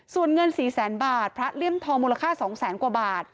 ส่วนเงิน๔แสนบาทพระเลี่ยมทองมูลค่า๒แสนกว่าบาท